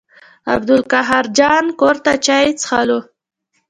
عبدالقاهر جان کور ته چای څښلو.